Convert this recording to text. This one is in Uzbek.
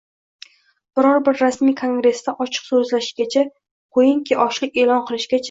biror bir rasmiy kongressda ochiq so‘zlashgacha, qo‘yingki, ochlik e’lon qilishgacha